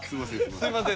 すいません。